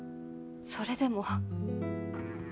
それでも。